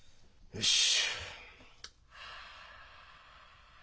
よし。